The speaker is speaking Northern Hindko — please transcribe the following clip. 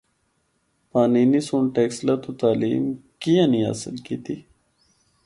پانینی سنڑ ٹیکسلا تو تعلیم کیاں نیں حاصل کیتی۔